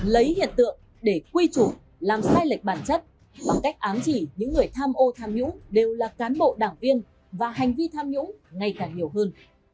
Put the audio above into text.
lấy hiện tượng để quy chủ làm sai lệch bản chất bằng cách ám chỉ những người tham ô tham nhũng đều là cán bộ đảng viên và hành vi tham nhũng ngày càng nhiều hơn